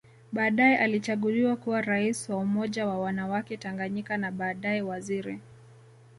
Baadae alichaguliwa kuwa Rais wa Umoja wa wanawake Tanganyika na baadae Waziri